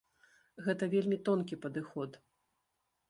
Гэта вельмі тонкі падыход.